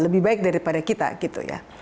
lebih baik daripada kita gitu ya